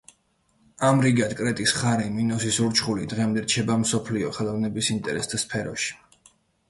ამრიგად, კრეტის ხარი, მინოსის ურჩხული დღემდე რჩება მსოფლიო ხელოვნების ინტერესთა სფეროში.